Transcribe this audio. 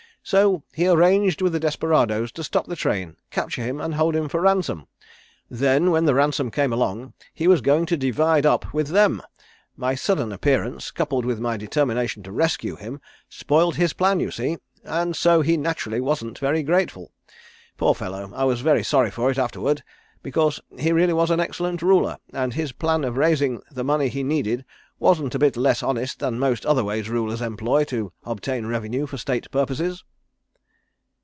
So he arranged with the desperadoes to stop the train, capture him, and hold him for ransom. Then when the ransom came along he was going to divide up with them. My sudden appearance, coupled with my determination to rescue him, spoiled his plan, you see, and so he naturally wasn't very grateful. Poor fellow, I was very sorry for it afterward, because he really was an excellent ruler, and his plan of raising the money he needed wasn't a bit less honest than most other ways rulers employ to obtain revenue for State purposes."